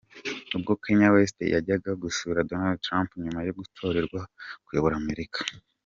Ubwo Kanye West yajyaga gusura Donald Trump nyuma yo gutorerwa kuyobora Amerika.